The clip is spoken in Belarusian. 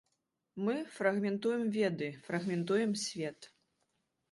Мы фрагментуем веды, фрагментуем свет.